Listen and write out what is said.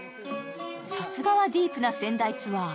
さすがはディープな仙台ツアー。